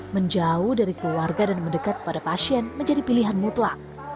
menjauh dari keluarga dan mendekat kepada pasien menjadi pilihan mutlak